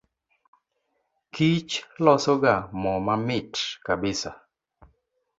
Kich losoga moo mamit kabisa.